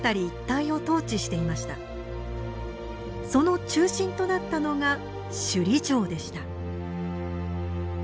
その中心となったのが首里城でした。